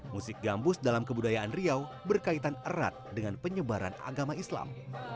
musik gambus dalam kebudayaan riau berkaitan erat dengan penyebaran agama islam